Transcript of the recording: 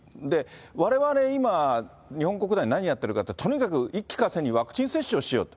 われわれ今、日本国内で何やってるかっていうと、とにかく一気かせいにワクチン接種をしようと。